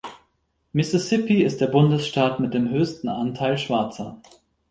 Mississippi ist der Bundesstaat mit dem höchsten Anteil Schwarzer.